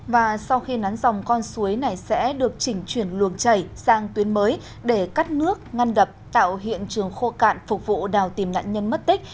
và sau khi nắn dòng con suối này sẽ được chỉnh chuyển luồng chảy sang tuyến mới để cắt nước ngăn đập tạo hiện trường khô cạn phục vụ đào tìm nạn nhân mất tích